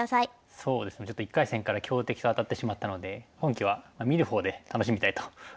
そうですねちょっと１回戦から強敵と当たってしまったので今期は見るほうで楽しみたいと思います。